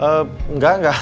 eh enggak enggak